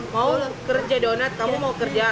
mau kerja donat kamu mau kerja